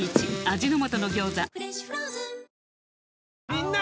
みんな！